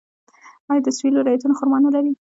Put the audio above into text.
آیا د سویل ولایتونه خرما نلري؟